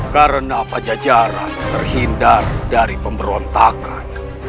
karena pajajaran terhindar dari pemberontakan